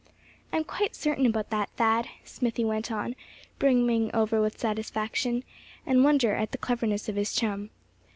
"I'm quite certain about that, Thad," Smithy went on, brimming over with satisfaction, and wonder at the cleverness of his chum.